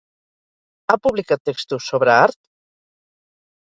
Ha publicat textos sobre art?